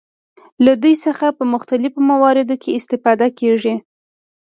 له دوی څخه په مختلفو مواردو کې استفاده کیږي.